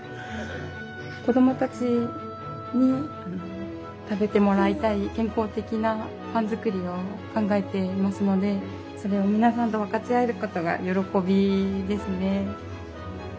子供たちに食べてもらいたい健康的なパン作りを考えていますのでそれを皆さんと分かち合えることが喜びですね。